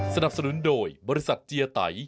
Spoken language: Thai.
สนับสนุนโดยบริษัทเจียไต